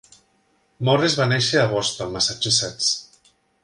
Morris va néixer a Boston, Massachusetts.